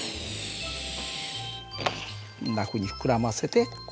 こんなふうに膨らませてここにさす。